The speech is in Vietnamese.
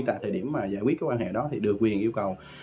tại thời điểm mà giải quyết các quan hệ đó thì được quyền yêu cầu